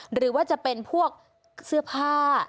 หรือว่าจะเป็นพวกเสื้อผ้า